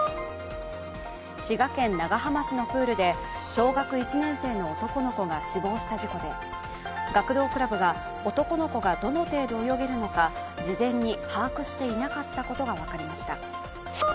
滋賀県長浜市のプールで、小学１年生の男の子が死亡した事故で学童クラブが男の子がどの程度泳げるのか、事前に把握していなかったことが分かりました。